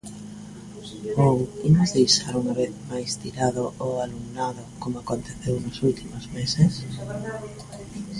¿Ou imos deixar unha vez máis tirado o alumnado, como aconteceu nos últimos meses?